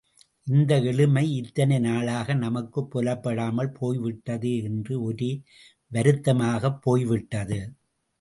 இந்த எளிமை இத்தனை நாளாக நமக்குப் புலப்படாமல் போய் விட்டதே என்று ஒரே வருத்தமாகப் போய்விட்டது.